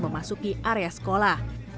memasuki area sekolah